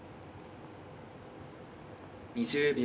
２０秒。